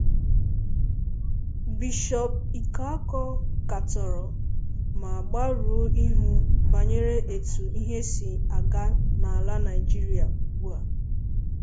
Bishọọpụ Ikeakor katọrọ ma gbarụọ ihu banyere etu ihe si aga n'ala Nigeria ugbua